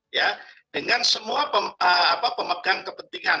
ya dengan semua pemegang kepentingan